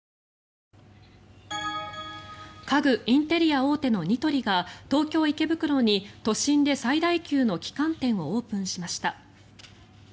家具・インテリア大手のニトリが東京・池袋に都心で最大級の旗艦店をオープンしました。